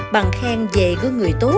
bằng khen về gương người tuyệt